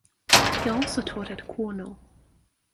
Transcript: He also taught at Cornell.